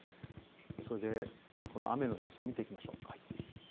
それでは雨の予想を見ていきましょう。